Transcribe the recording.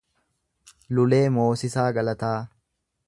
Lulee Moosisaa Galataa